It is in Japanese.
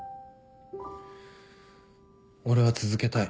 俺は続けたい。